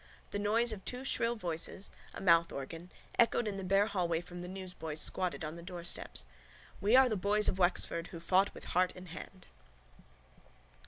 The noise of two shrill voices, a mouthorgan, echoed in the bare hallway from the newsboys squatted on the doorsteps: We are the boys of Wexford Who fought with heart and hand.